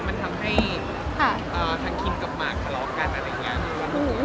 มันทำให้ทางคิมกับหมากทะเลาะกันอะไรอย่างนี้